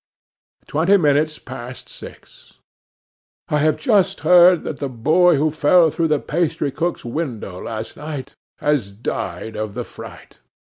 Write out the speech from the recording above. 'Twenty minutes past six. 'I HAVE just heard that the boy who fell through the pastrycook's window last night has died of the fright.